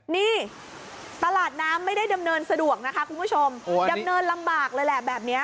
นี่ตลาดน้ำไม่ได้ดำเนินสะดวกนะคะคุณผู้ชมดำเนินลำบากเลยแหละแบบนี้